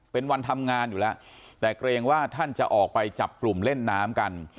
เป็นวันทำงานอยู่แล้วแต่เกรงว่าท่านจะออกไปจับกลุ่มเล่นน้ำกัน